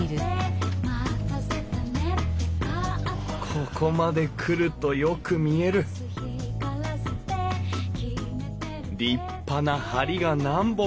ここまで来るとよく見える立派な梁が何本も。